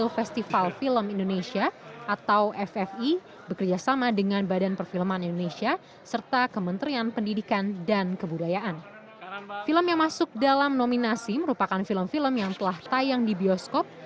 film yang masuk dalam nominasi merupakan film film yang telah tayang di bioskop